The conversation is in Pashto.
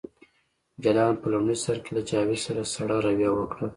جلان په لومړي سر کې له جاوید سره سړه رویه وکړه